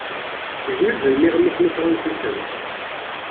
Tesnuzuyem iɣmisen ifṛensisen?